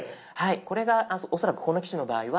これが恐らくこの機種の場合は。